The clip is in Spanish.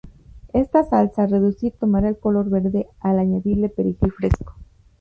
Esta salsa, al reducir tomará el color verde al añadirle perejil fresco.